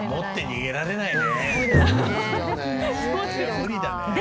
無理だね。